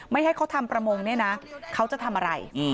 ให้เขาทำประมงเนี่ยนะเขาจะทำอะไร